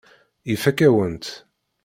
Ifakk-awen-tt.